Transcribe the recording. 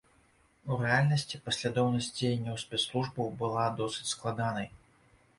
У рэальнасці паслядоўнасць дзеянняў спецслужбаў была досыць складанай.